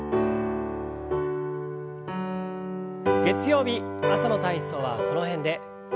月曜日朝の体操はこの辺で。